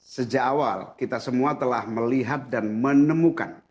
sejak awal kita semua telah melihat dan menemukan